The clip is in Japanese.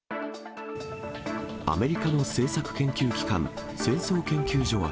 アメリカの政策研究機関、戦争研究所は、